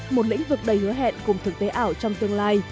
một lĩnh vực đầy hứa hẹn cùng thực tế ảo trong tương lai